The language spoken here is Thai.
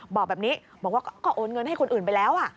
บอกแบบนี้บอกว่าก็โอนเงินให้คนอื่นไปแล้ว